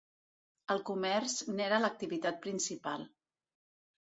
El comerç n'era l'activitat principal.